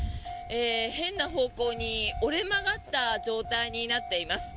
変な方向に折れ曲がった状態になっています。